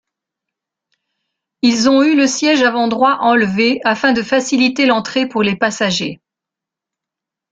Ils ont eu le siège avant-droit enlevé afin de faciliter l'entrée pour les passagers.